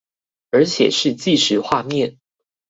而且是計時畫面？